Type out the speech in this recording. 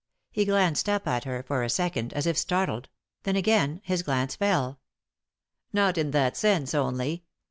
He glanced up at her, for a second, as if startled ; then again his glance fell, "Not in that sense only."